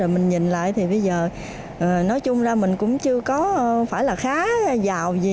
bây giờ nói chung là mình cũng chưa có phải là khá giàu gì